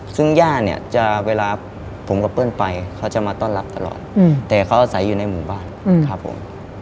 ซึ่งย่าเนี่ยจะเวลาผมกับเปิ้ลไปเขาจะมาต้อนรับตลอดแต่เขาอาศัยอยู่ในหมู่บ้านครับผม